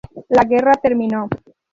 La guerra terminó.